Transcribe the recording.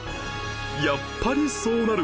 やっぱりそうなる！